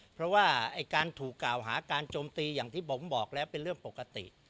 เพราะว่าการถูกกล่าวหาการโจมตีอย่างที่ผมบอกแล้วเป็นเรื่องปกติ